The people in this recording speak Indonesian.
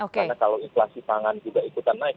karena kalau inflasi pangan juga ikutan naik